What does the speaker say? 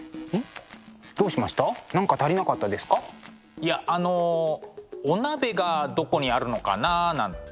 いやあのお鍋がどこにあるのかななんて。